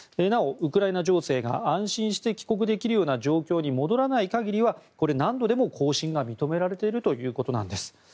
なお、ウクライナ情勢が安心して帰国できる状況に戻らない限りは何度でも更新が認められているということです。